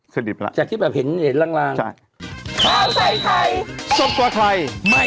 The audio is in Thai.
สนิทไปแล้วจากที่แบบเห็นล่างใช่